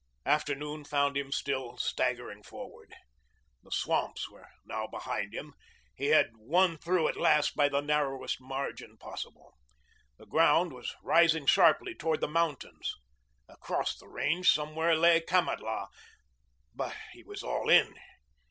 Afternoon found him still staggering forward. The swamps were now behind him. He had won through at last by the narrowest margin possible. The ground was rising sharply toward the mountains. Across the range somewhere lay Kamatlah. But he was all in.